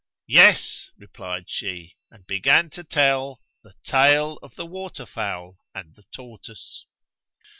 "Yes," replied she, and began to tell the TALE OF THE WATER FOWL AND THE TORTOISE.